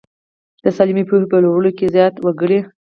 د سالمې پوهنې په لوړولو کې زیار وکړي.